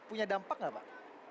punya dampak nggak pak